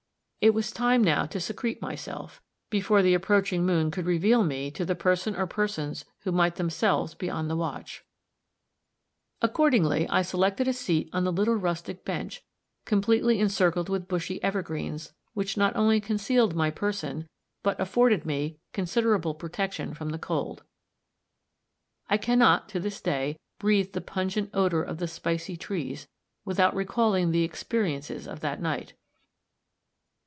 It was time now to secrete myself, before the approaching moon should reveal me to the person or persons who might themselves be on the watch. Accordingly, I selected a seat on the little rustic bench, completely encircled with bushy evergreens, which not only concealed my person, but afforded me considerable protection from the cold. I can not, to this day, breathe the pungent odor of the spicy trees, without recalling the experiences of that night.